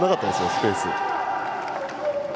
スペースが。